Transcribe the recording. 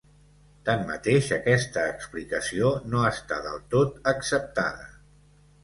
Tanmateix, aquesta explicació no està del tot acceptada.